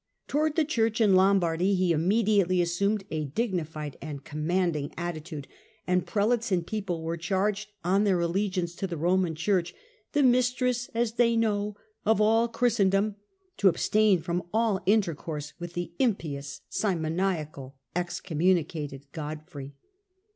Towards the Church in Lombardy he immediately assumed a dignified and commanding attitude, and prelates and people were charged on their allegiance to the Roman Church, ' the mistress, as they know, of all Christendom,' to abstain from all intercourse with the impious, simoniacal, excommunicated Godfrey.